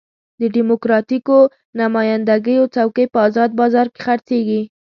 د ډیموکراتیکو نماینده ګیو څوکۍ په ازاد بازار کې خرڅېږي.